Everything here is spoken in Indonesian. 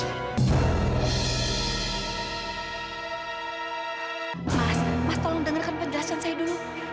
mas mas tolong dengarkan penjelasan saya dulu